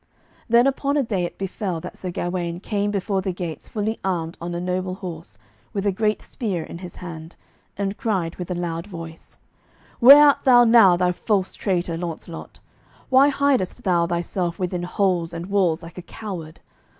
Then upon a day it befell that Sir Gawaine came before the gates fully armed on a noble horse, with a great spear in his hand, and cried with a loud voice: "Where art thou now, thou false traitor, Launcelot? Why hidest thou thyself within holes and walls like a coward?